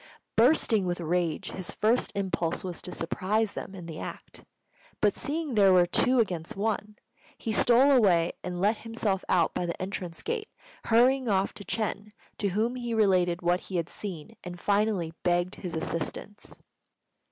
Bursting with rage, his first impulse was to surprise them in the act; but seeing there were two against one, he stole away and let himself out by the entrance gate, hurrying off to Ch'êng, to whom he related what he had seen, and finally begged his assistance.